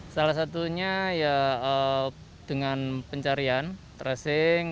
salah satunya ya dengan pencarian tracing